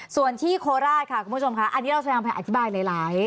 ส่วนที่โคลาสค่าคุณผู้ชมอันที่เราจะอธิบายมาหลาย